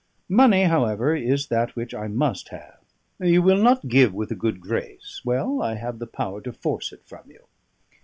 Money, however, is that which I must have. You will not give with a good grace; well, I have the power to force it from you.